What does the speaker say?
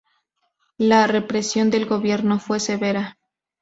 La represión del Gobierno fue severa.